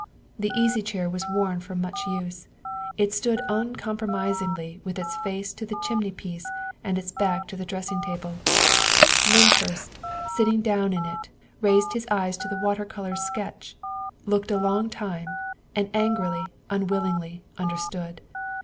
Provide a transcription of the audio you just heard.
The easychair was worn from much use; it stood uncompromisingly with its face to the chimney piece and its back to the dressing table ; Lyndhurst, sit ting down in it, raised his eyes to the water color sketch, looked a long time and angrily, unwillingly, under stood.